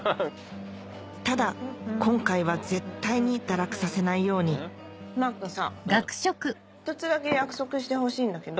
ただ今回は絶対に堕落させないようにまー君さ一つだけ約束してほしいんだけど。